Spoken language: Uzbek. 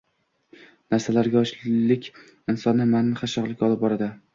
narsalarga o‘chlik insonni ma’nan qashshoqlikka olib boradi.